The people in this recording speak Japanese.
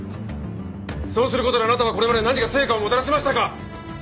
そうする事であなたはこれまで何か成果をもたらしましたか？